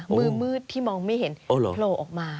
มือมืดที่มองไม่เห็นโผล่ออกมา